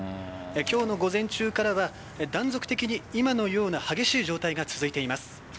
今日の午前中からは断続的に今のような激しい状態が続いています。